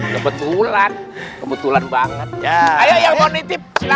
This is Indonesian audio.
kebetulan kebetulan banget